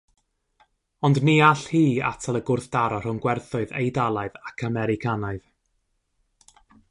Ond ni all hi atal y gwrthdaro rhwng gwerthoedd Eidalaidd ac Americanaidd.